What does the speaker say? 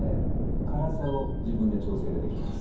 辛さを自分で調整ができます